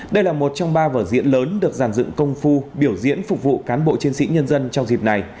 đây là một trong ba vở diễn lớn được giàn dựng công phu biểu diễn phục vụ cán bộ chiến sĩ nhân dân trong dịp này